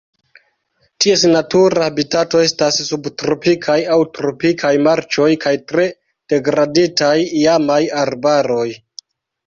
Ties natura habitato estas subtropikaj aŭ tropikaj marĉoj kaj tre degraditaj iamaj arbaroj.